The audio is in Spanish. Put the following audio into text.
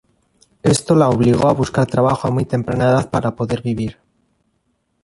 Esto la obligó a buscar trabajo a muy temprana edad para poder vivir.